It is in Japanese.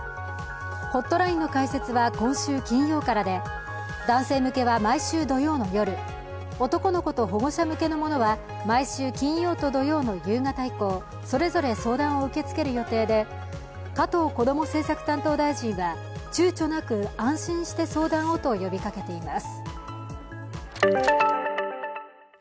ホットラインの開設は今週金曜からで、男性向けは毎週土曜の夜、男の子と保護者向けのものは毎週金曜と土曜の夕方以降、それぞれ相談を受け付ける予定で加藤こども政策担当大臣はちゅうちょなく安心して相談をと呼びかけています。